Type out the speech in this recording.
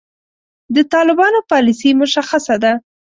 د طالبانو پالیسي مشخصه ده.